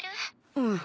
うん。